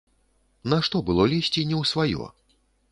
Нашто было лезці не ў сваё.